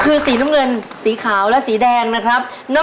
คือสีน้ำเงินสีขาวและสีแดงนะครับ